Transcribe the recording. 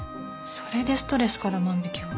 それでストレスから万引を。